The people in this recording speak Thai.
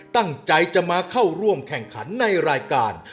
ตั้งใจจะมาเข้าร่วมแข่งขันในรายการ